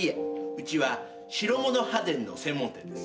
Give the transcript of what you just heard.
うちは白物歯電の専門店です。